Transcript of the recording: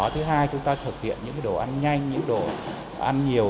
thứ hai chúng ta thực hiện những đồ ăn nhanh những đồ ăn nhiều